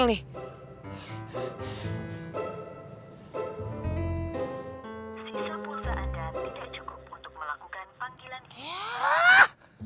sisa pulsa anda tidak cukup untuk melakukan panggilan